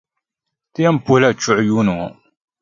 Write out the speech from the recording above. Ti yɛn puhila chuɣu yuuni ŋɔ.